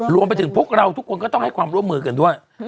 รวมไปถึงพวกเราทุกคนก็ต้องให้ความร่วมมือกันด้วย